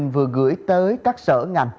vừa gửi tới các sở ngành